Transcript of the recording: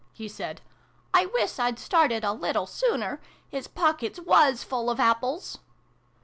" he said. " Iwiss I'd started a little sooner. His pockets was full of apples